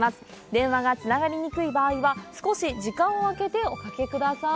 電話がつながりにくい場合は、少し時間を空けておかけください。